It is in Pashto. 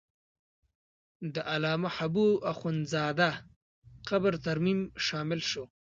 د علامه حبو اخند زاده قبر ترمیم شامل و.